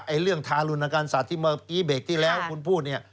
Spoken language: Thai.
ไอ้เรื่องทารุณการศาสตร์ที่มากี้เบกที่แล้วคุณพูดเนี่ย